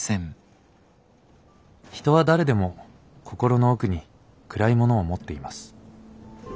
人は誰でも心の奥に暗いものを持っています。